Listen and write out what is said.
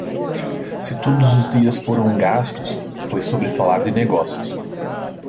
Se todos os dias foram gastos, foi sobre falar de negócios.